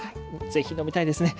ぜひ飲みたいですね。